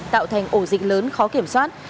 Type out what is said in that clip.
tạo thành ổ dịch lớn khó kiểm soát